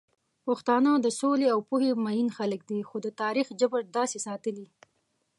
پښتانه په سولې او پوهې مئين خلک دي، خو د تاريخ جبر داسې ساتلي